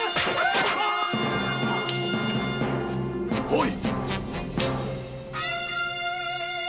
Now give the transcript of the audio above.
おい！